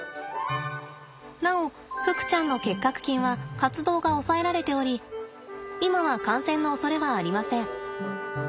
なおふくちゃんの結核菌は活動が抑えられており今は感染のおそれはありません。